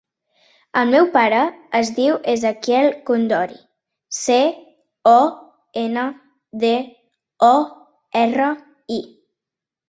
El meu pare es diu Ezequiel Condori: ce, o, ena, de, o, erra, i.